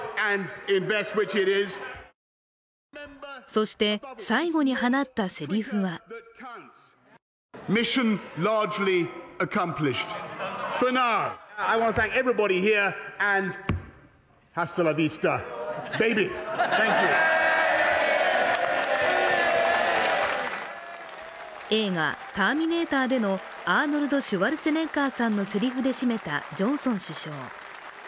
そして、最後に放ったせりふは映画「ターミネーター」でのアーノルド・シュワルツェネッガーさんのせりふで締めたジョンソン首相。